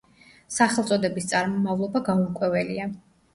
სახელწოდების წარმომავლობა გაურკვეველია.